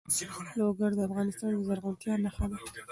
لوگر د افغانستان د زرغونتیا نښه ده.